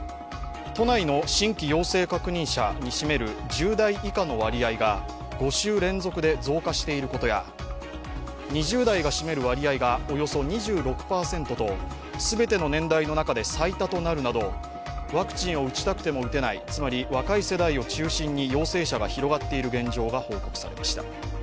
都内の新規陽性確認者に占める１０代以下の割合が５週連続で増加していることや２０代が占める割合がおよそ２６％と全ての年代の中で最多となるなど、ワクチンを打ちたくても打てないつまり、若い世代を中心に陽性者が広がっている現状が報告されました。